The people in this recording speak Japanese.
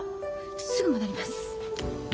すぐ戻ります。